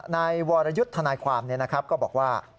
นายวรยุทธ์ทนายความก็บอกว่า